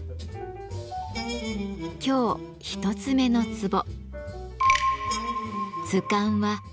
今日一つ目のツボ